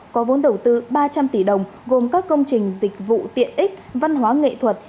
có vốn đầu tư ba trăm linh tỷ đồng gồm các công trình dịch vụ tiện ích văn hóa nghệ thuật